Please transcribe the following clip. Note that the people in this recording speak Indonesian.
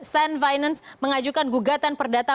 sand finance mengajukan gugatan perdata